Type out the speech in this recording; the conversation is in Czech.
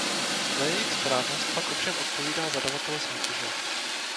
Za jejich správnost pak ovšem odpovídá zadavatel soutěže.